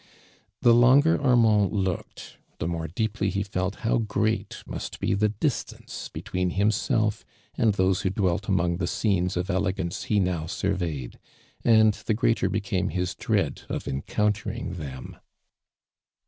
The longei Armand looked, the moie deejily he felt liow great mu t br thedi tance between hini>e!f and those who dwelt among tht> s<!enes of elegance he now surveyed, and the greater Ijecame his dread of encounti.r ing them.